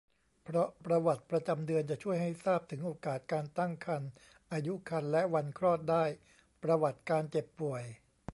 เพราะประวัติประจำเดือนจะช่วยให้ทราบถึงโอกาสการตั้งครรภ์ อายุครรภ์ และวันคลอดได้ ประวัติการเจ็บป่วย